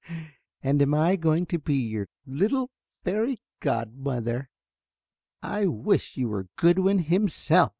"And I am going to be your little fairy godmother. I wish you were Goodwin himself!